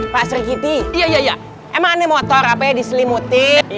pak serikiti emang ini motor apa yang diselimuti